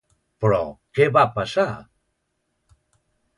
Però, què va passar?